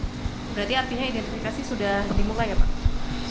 berarti artinya identifikasi sudah dimulai ya pak